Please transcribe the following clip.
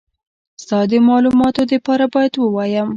ستا د مالوماتو دپاره بايد ووايم.